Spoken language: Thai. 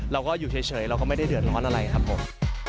เราก็อยู่เฉยเราก็ไม่ได้เดือดร้อนอะไรครับผม